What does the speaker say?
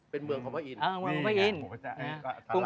เป็นเมืองของพระอินทร์